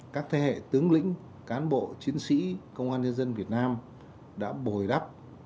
các thế hệ tướng lĩnh cán bộ chiến sĩ công an nhân dân việt nam đã bồi đắp